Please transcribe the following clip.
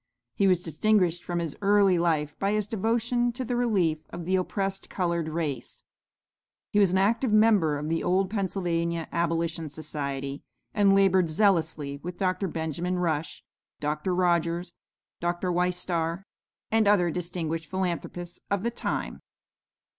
He was distinguished from his early life by his devotion to the relief of the oppressed colored race. He was an active member of the old Pennsylvania Abolition Society, and labored zealously with Dr. Benjamin Rush, Dr. Rogers, Dr. Wistar, and other distinguished philanthropists of the time.